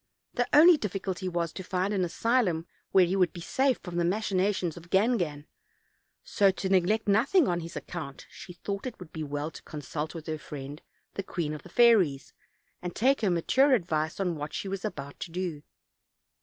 The only difficulty was to find an asylum where he would be safe from the machinations of Gangan: so, to neglect nothing on his account, she thought it would be well to consult with her friend, the queen of the fairies, and take her mature advice on what she was about to do.